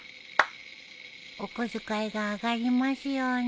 お小遣いが上がりますように。